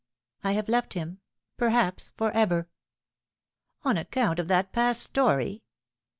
I have left him perhaps for ever." " On account of that past story